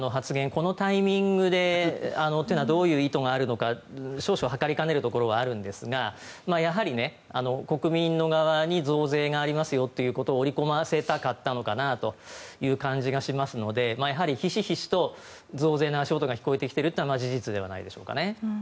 このタイミングというのはどういう意図があるのか少々測りかねるところがあるんですがやはり国民側に増税がありますよということを織り込ませたかったのかなという感じがしますのでやはりひしひしと増税の足音が聞こえているというのは事実なんじゃないですかね。